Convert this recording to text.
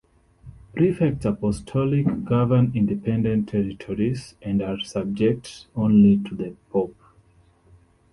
Prefects apostolic govern independent territories and are subject only to the pope.